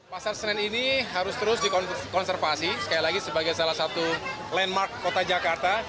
pasar senen ini harus terus dikonservasi sekali lagi sebagai salah satu landmark kota jakarta